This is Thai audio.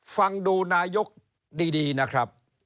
ฟังดูนายกดีนะครับ